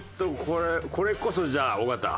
これこそじゃあ尾形。